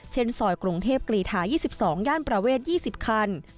ซอยกรุงเทพกรีธา๒๒ย่านประเวท๒๐คัน